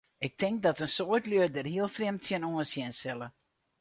Ik tink dat in soad lju dêr hiel frjemd tsjinoan sjen sille.